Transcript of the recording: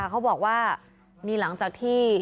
เขาบอกว่านี่หลังจากที่